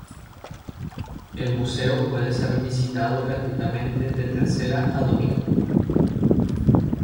El museo puede ser visitado gratuitamente de tercera a domingo.